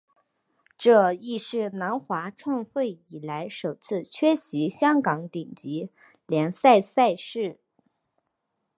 这亦是南华创会以来首次缺席香港顶级联赛赛事。